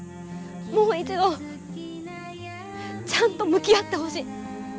もう一度ちゃんと向き合ってほしい。